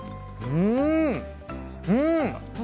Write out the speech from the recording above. うん、うん！